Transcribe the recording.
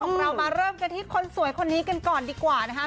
ของเรามาเริ่มกันที่คนสวยคนนี้กันก่อนดีกว่านะคะ